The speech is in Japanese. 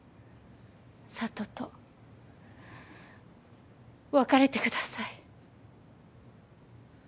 佐都と別れてください。